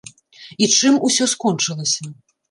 І чым усё скончылася?